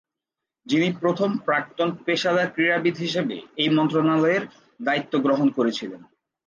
যিনি প্রথম প্রাক্তন পেশাদার ক্রীড়াবিদ হিসেবে এই মন্ত্রণালয়ের দায়িত্ব গ্রহণ করেছিলেন।